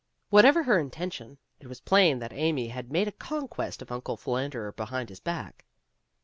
Whatever her intention, it was plain that Amy had made a conquest of Uncle Philander Be hind His Back.